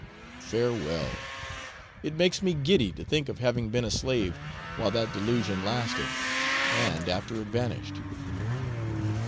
Farewell; it makes me giddy to think of having been a slave while that delusion lasted, and after it vanished.